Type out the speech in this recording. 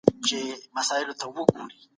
د کور ډوډۍ ترې هېرېږي.